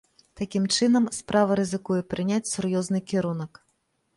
Такім чынам, справа рызыкуе прыняць сур'ёзны кірунак.